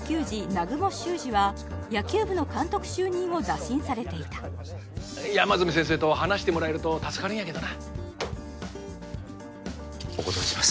南雲脩司は野球部の監督就任を打診されていた山住先生と話してもらえると助かるんやけどなお断りします